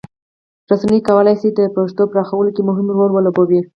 رسنۍ کولی سي د پښتو پراخولو کې مهم رول ولوبوي.